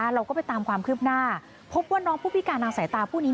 เราก็ไปตามความคืบหน้าพบว่าน้องผู้พิการทางสายตาผู้นี้